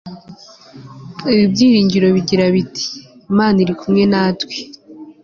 ibi byiringiro bigira biti imana iri kumwe natwe